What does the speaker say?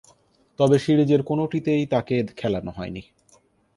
তবে, সিরিজের কোনটিতেই তাকে খেলানো হয়নি।